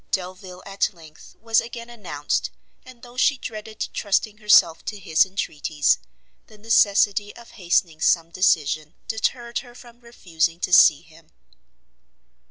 Delvile, at length, was again announced; and though she dreaded trusting herself to his entreaties, the necessity of hastening some decision deterred her from refusing to see him.